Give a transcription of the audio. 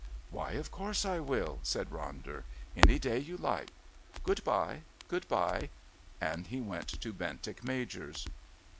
"Why, of course I will," said Ronder. "Any day you like. Good bye. Good bye," and he went to Bentinck Major's.